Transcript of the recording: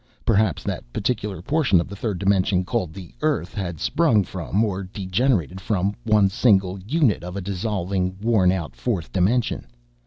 Perhaps that particular portion of the third dimension called the Earth had sprung from, or degenerated from, one single unit of a dissolving, worn out fourth dimension.